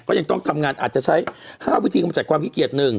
ยังต้องทำงานอาจจะใช้๕วิธีกำจัดความขี้เกียจ๑